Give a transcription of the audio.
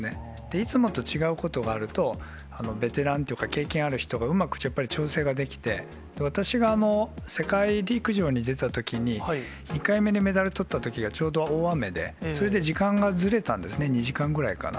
いつもと違うことがあると、ベテランというか、経験ある人がうまくやっぱり調整ができて、私が世界陸上に出たときに、１回目のメダルとったときが、ちょうど大雨で、それで時間がずれたんですね、２時間ぐらいかな。